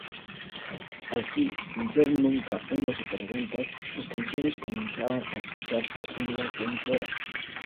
Así, sin ser nunca unos superventas, sus canciones comenzaban a escucharse en las emisoras.